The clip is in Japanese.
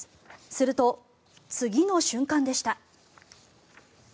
すると、次の瞬間でした。